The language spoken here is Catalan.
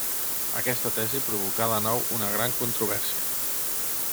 Aquesta tesi provocà de nou una gran controvèrsia.